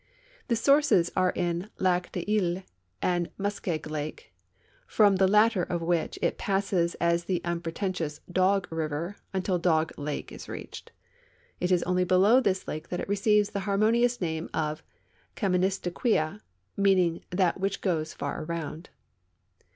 The sources are in Lac des Isles and Muskeg lake, from the latter of which it passes as the unpretentious Dog river until Dog lake is reached. It is only below this lake that it receives the harmonious name of Kaministi(iuia, meaning "that which goes far around."